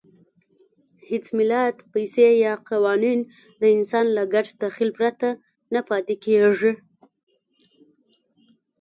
هېڅ ملت، پیسې یا قوانین د انسان له ګډ تخیل پرته نه پاتې کېږي.